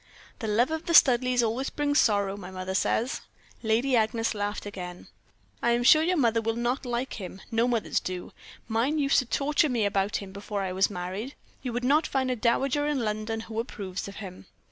"'The love of the Studleighs always brings sorrow, my mother says.' "Lady Agnes laughed again. "'I am sure your mother will not like him no mothers do. Mine used to torture me about him before I was married. You would not find a dowager in London who approves of him.'